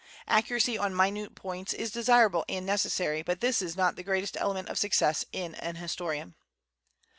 Accuracy on minute points is desirable and necessary, but this is not the greatest element of success in an historian.